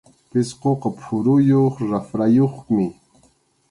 Pisquqa phuruyuq raprayuqmi.